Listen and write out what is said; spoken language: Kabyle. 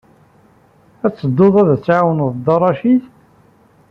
I tedduḍ ad tɛawneḍ Dda Racid?